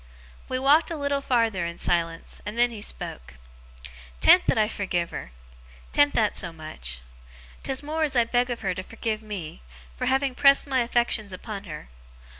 We walked a little farther in silence, and then he spoke. ''Tan't that I forgive her. 'Tan't that so much. 'Tis more as I beg of her to forgive me, for having pressed my affections upon her.